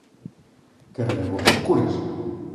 que renegou dos curas